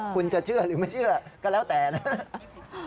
คุณจะเชื่อหรือไม่เชื่อก็แล้วแต่นะครับ